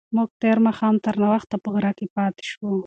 موږ تېر ماښام تر ناوخته په غره کې پاتې شوو.